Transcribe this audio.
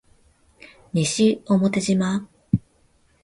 西表島